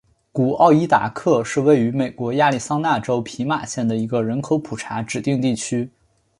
古奥伊达克是位于美国亚利桑那州皮马县的一个人口普查指定地区。